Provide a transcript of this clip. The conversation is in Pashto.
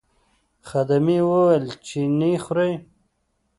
خدمې وویل چې نه خورئ.